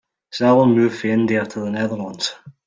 Salim moved from India to the Netherlands.